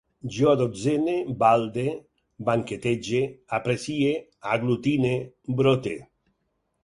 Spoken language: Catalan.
Jo adotzene, balde, banquetege, aprecie, aglutine, brote